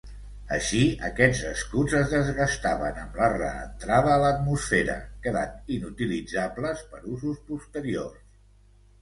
Així, aquests escuts es desgastaven amb la reentrada a l'atmosfera, quedant inutilitzables per usos posteriors.